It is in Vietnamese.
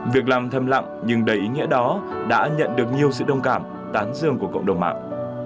việc làm thâm lặng nhưng đầy ý nghĩa đó đã nhận được nhiều sự đồng cảm tán dương của cộng đồng mạng